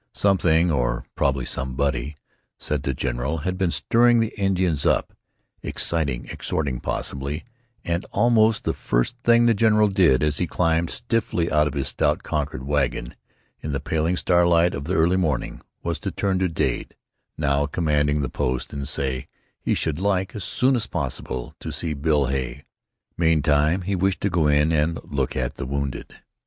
Something, or probably somebody, said the general, had been stirring the Indians up, exciting exhorting possibly, and almost the first thing the general did as he climbed stiffly out of his stout Concord wagon, in the paling starlight of the early morning, was to turn to Dade, now commanding the post, and to say he should like, as soon as possible, to see Bill Hay. Meantime he wished to go in and look at the wounded.